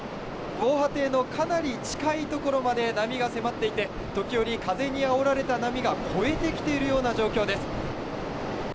防波堤のかなり近い所まで波が迫っていて、時折、風にあおられた波が越えてきているような状況です。